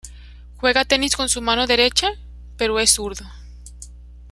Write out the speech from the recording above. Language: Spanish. Juega tenis con su mano derecha, pero es zurdo.